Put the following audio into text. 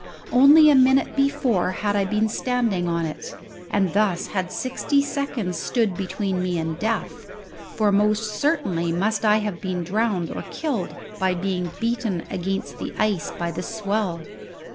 Only a minute before had I been standing on it, and thus had sixty seconds stood between me and death, for most certainly must I have been drowned or killed by being beaten against the ice by the swell!